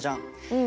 うん。